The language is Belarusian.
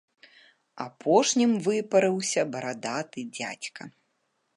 Апошнім выпарыўся барадаты дзядзька.